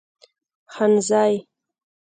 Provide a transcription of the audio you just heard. خانزۍ